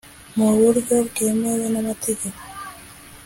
Mu buryo bwemewe n’amategeko